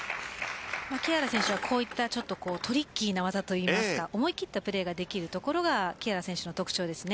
木原選手は、こうしたトリッキーな技といいますか思い切ったプレーができることが木原選手の特徴です。